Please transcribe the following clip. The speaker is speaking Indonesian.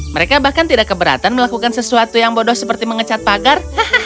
mereka bahkan tidak keberatan melakukan sesuatu yang bodoh seperti mengecat pagar